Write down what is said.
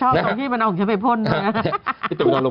เฉพาะที่มันก็ใช้ไว้พ่นเลยนะฮะ